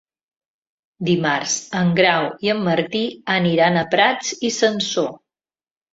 Dimarts en Grau i en Martí aniran a Prats i Sansor.